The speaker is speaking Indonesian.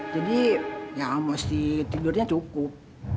jadi ya mesti tidurnya cukup